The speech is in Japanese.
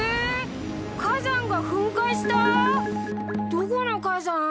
どこの火山？